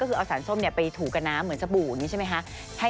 ก็คือเอาสารส้มไปถูกับน้ำเหมือนสบู่นี่ใช่ไหมคะ